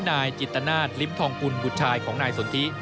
นายจิตนาศลิ้มทองกุลบุตรชายของนายสนทิ